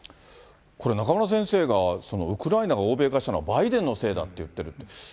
これ、中村先生がウクライナが欧米化したのはバイデンのせいだって言ってるって。